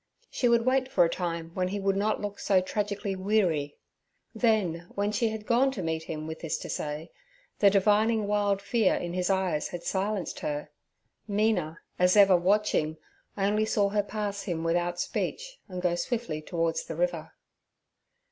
She would wait for a time when he would not look so tragically weary. Then, when she had gone to meet him with this to say, the divining wild fear in his eyes had silenced her. Mina, as ever, watching, only saw her pass him without speech, and go swiftly towards the river.